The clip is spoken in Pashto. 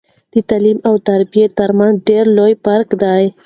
د تعليم او تربيه ترمنځ ډير لوي فرق دی